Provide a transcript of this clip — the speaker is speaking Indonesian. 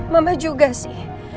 mama juga sih